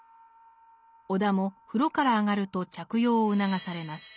尾田も風呂から上がると着用を促されます。